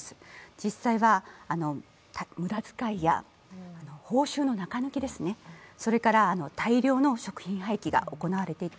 実際は無駄遣いや報酬の中抜きですね、それから大量の食品廃棄が行われていた。